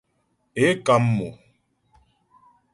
Ě kam mo.